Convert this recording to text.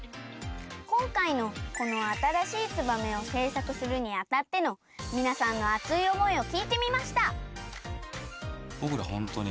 こんかいのこのあたらしい「ツバメ」をせいさくするにあたってのみなさんの熱い思いをきいてみました。